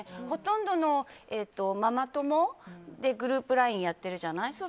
ほとんどのママ友でグループＬＩＮＥやってるじゃない。